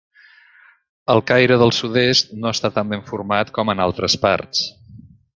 El caire del sud-est no està tan ben format com en altres parts.